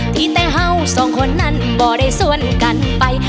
ที่แต่เห่าสองคนนั้นบ่ได้สวนกันไป